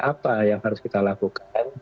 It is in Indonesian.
apa yang harus kita lakukan